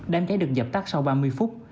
đám cháy được dập tắt sau ba mươi phút